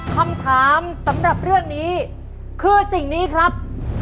คำถามสำหรับเรื่องนี้คือสิ่งนี้ครับ